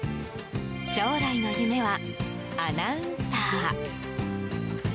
将来の夢はアナウンサー。